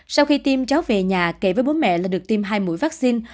sau khi tiêm cháu về nhà kể với bố mẹ là được tiêm hai mũi vaccine